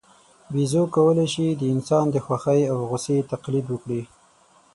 بیزو کولای شي د انسان د خوښۍ او غوسې تقلید وکړي.